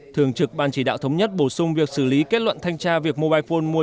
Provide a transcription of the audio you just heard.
thường trực ban chỉ đạo thống nhất bổ sung việc xử lý kết luận thanh tra việc mobile phone mua